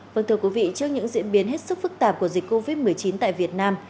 vâng thưa quý vị trước những diễn biến hết sức phức tạp của dịch covid một mươi chín tại việt nam